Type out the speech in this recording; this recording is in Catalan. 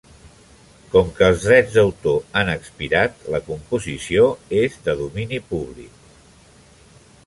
Com que els drets d'autor han expirat, la composició és de domini públic.